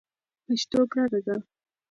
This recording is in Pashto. پښتو ګرانه ده!